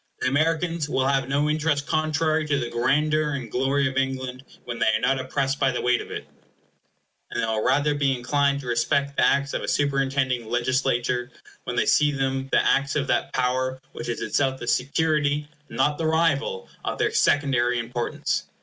The Americans will have no interest contrary to the grandeur and glory of England, when they are not oppressed by the weight of it; and they will rather be inclined to respect the acts of a superintending legislature when they see them the acts of that power which is itself the security, not the rival, of their secondary importance.